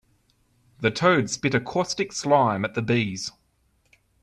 The toad spit a caustic slime at the bees.